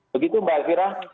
begitu mbak elvira